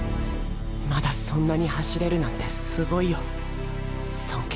まだそんなに走れるなんてすごいよ尊敬する。